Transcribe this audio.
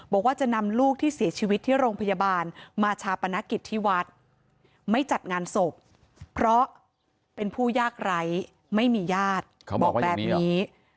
บอกว่าจะนำลูกที่เสียชีวิตที่โรงพยาบาลมาชาปนกิจที่วัดไม่จัดงานศพเพราะเป็นผู้ยากไร้ไม่มีญาติบอกแบบนี้